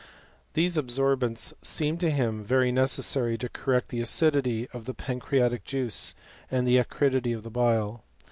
These absorbents seemed to him very necessary to correct the acidity of the pancreatic juice, and the acridity of the bile.